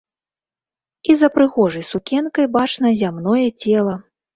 І за прыгожай сукенкай бачна зямное цела.